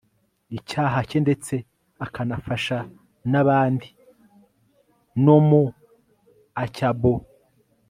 icyaha cye ndetse akanafasha n'abandi no mu acyaboa